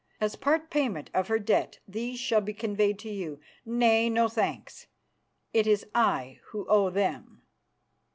As part payment of her debt these shall be conveyed to you. Nay, no thanks; it is I who owe them.